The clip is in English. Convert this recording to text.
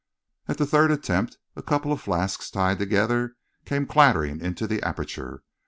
At the third attempt, a couple of flasks, tied together, came clattering into the aperture.